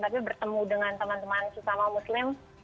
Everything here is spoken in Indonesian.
tapi bertemu dengan teman teman sesama muslim